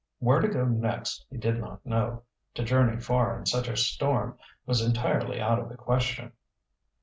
Where to go next he did not know. To journey far in such a storm was entirely out of the question.